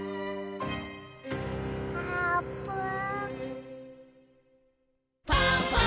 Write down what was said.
あーぷん？